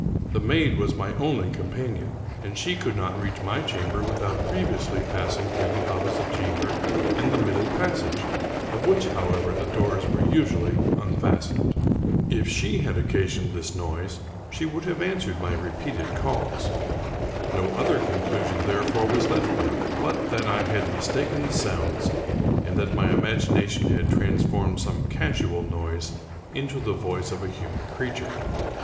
The maid was my only companion; and she could not reach my chamber without previously passing through the opposite chamber and the middle passage, of which, how ever, the doors were usually unfastened. If she had oc casioned this noise, she would have answered my repeated calls. No other conclusion, therefore, was left me, but that I had mistaken the sounds, and that my imagination had transformed some casual noise into the voice of a 230 Charles Brockden Brown human creature.